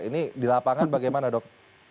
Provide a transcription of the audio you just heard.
ini di lapangan bagaimana dok